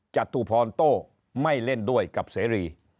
จตุพรโต้ไม่เล่นด้วยกับเสรี